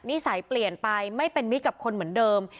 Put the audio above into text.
นิสัยเปลี่ยนไปไม่เป็นมิตรกับคนเหมือนเดิม